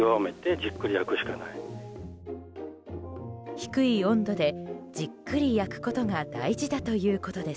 低い温度でじっくり焼くことが大事だということです。